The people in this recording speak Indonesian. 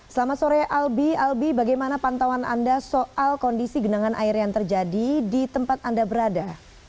selamat sore albi albi bagaimana pantauan anda soal kondisi genangan air yang terjadi di tempat anda berada